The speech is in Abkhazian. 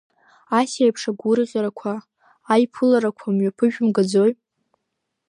Асеиԥш агәырӷьарақәа, аиԥыларақәа мҩаԥыжәымгаӡои?